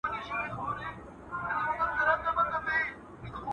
سړی له قد نه لوړ او ډېر ډنګر خو ډېر باهمته ښکارېده.